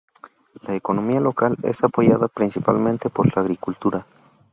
La economía local es apoyada principalmente por la agricultura.